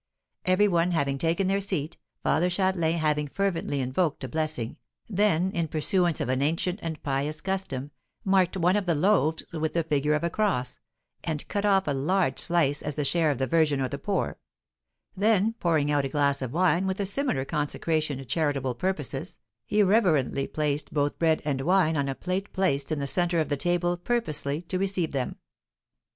Every one having taken their seat, Father Châtelain, having fervently invoked a blessing, then, in pursuance of an ancient and pious custom, marked one of the loaves with the figure of a cross, and cut off a large slice as the share of the Virgin or the poor, then, pouring out a glass of wine with a similar consecration to charitable purposes, he reverently placed both bread and wine on a plate placed in the centre of the table purposely to receive them.